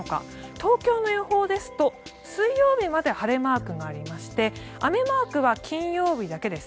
東京の予報ですと、水曜日まで晴れマークがありまして雨マークは金曜日だけです。